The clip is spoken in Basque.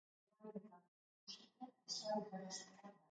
Politika ikertzen duen zientzia, zientzia politikoa da.